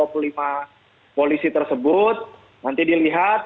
jadi kalau kita lihat sama polisi tersebut nanti dilihat